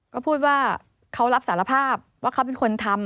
ก็พูดว่าเขารับสารภาพว่าเขาเป็นคนทำ